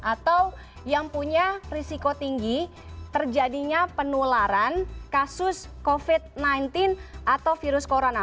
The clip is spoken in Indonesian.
atau yang punya risiko tinggi terjadinya penularan kasus covid sembilan belas atau virus corona